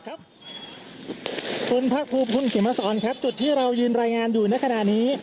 ครับคุณพระครูคุณกิมศรครับจุดที่เรายืนรายงานอยู่ในขณะนี้